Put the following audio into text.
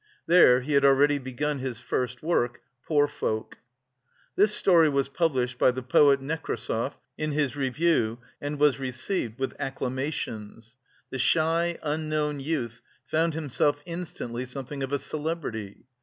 There he had already begun his first work, "Poor Folk." This story was published by the poet Nekrassov in his review and was received with acclamations. The shy, unknown youth found himself instantly something of a celebrity.